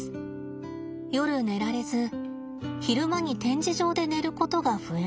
夜寝られず昼間に展示場で寝ることが増えました。